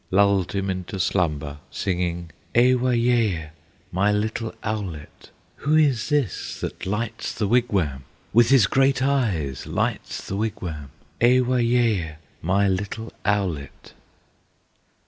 Lulled him into slumber, singing, "Ewa yea! my little owlet! Who is this, that lights the wigwam? With his great eyes lights the wigwam? Ewa yea! my little owlet!"